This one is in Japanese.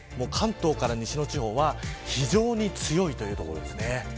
関東から西の地方は非常に強いというとこですね。